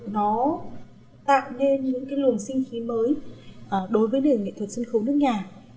nó tạo nên những lường sinh khí mới đối với nền nghệ thuật sân khấu nước nhà